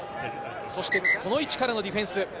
そしてこの位置からのディフェンス。